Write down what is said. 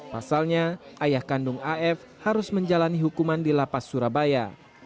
pasalnya ayah kandung af harus menjalani hukuman di lapas surabaya